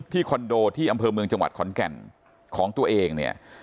คอนโดที่อำเภอเมืองจังหวัดขอนแก่นของตัวเองเนี่ย